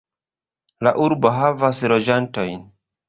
La urbo havas loĝantojn.